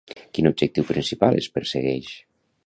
Quin objectiu principal es persegueix?